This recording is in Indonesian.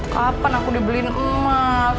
kapan aku dibeliin emas